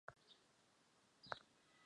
倒挂金钩为茜草科钩藤属下的一个种。